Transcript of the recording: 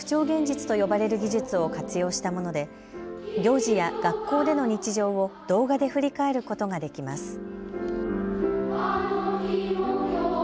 現実と呼ばれる技術を活用したもので行事や学校での日常を動画で振り返ることができます。